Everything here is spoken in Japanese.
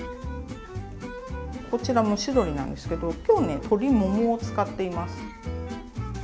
こちら蒸し鶏なんですけど今日ね鶏ももを使っています。